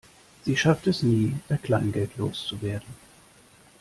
Sie schafft es nie, ihr Kleingeld loszuwerden.